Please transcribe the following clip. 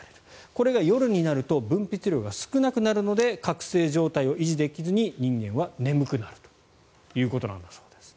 これが夜になると分泌量が少なくなるので覚醒状態を維持できずに人間は眠くなるということなんだそうです。